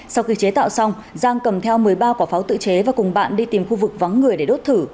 sau khi chế tạo xong giang cầm theo một mươi ba quả pháo tự chế và cùng bạn đi tìm khu vực vắng người để đốt thử